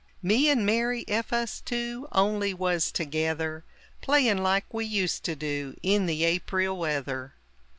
"Me and Mary! Ef us two Only was together Playin' like we used to do In the Aprile weather!"